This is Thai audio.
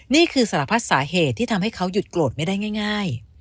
นี่คือสารพัดสาเหตุที่ทำให้เขาหยุดโกรธไม่ได้ง่าย